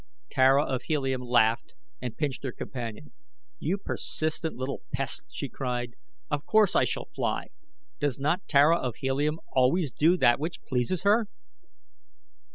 Tara of Helium laughed and pinched her companion. "You persistent little pest," she cried. "Of course I shall fly does not Tara of Helium always do that which pleases her?"